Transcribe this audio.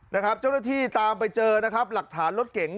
เจ้าหน้าที่ตามไปเจอนะครับหลักฐานรถเก๋ง